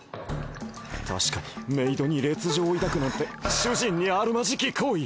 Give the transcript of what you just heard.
確かにメイドに劣情を抱くなんて主人にあるまじき行為。